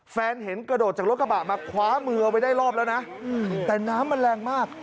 แฟนเห็นกระโดดจากรถกระบะมาขวามือเอาได้รอบแล้วนะ